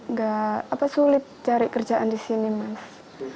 nggak sulit cari kerjaan di sini mas